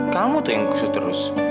kamu tuh yang khusus terus